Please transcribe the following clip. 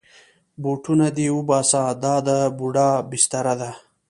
بوټونه دې وباسه، دا د بوډا بستره ده.